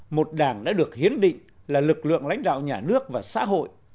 một đảng đã được hiến định là lực lượng lãnh đạo nhà nước và xã hội